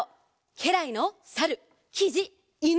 けらいのさるきじいぬ。